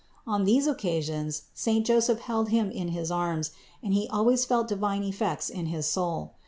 On these occasions saint Joseph held Him in his arms and he always felt divine effects in his soul.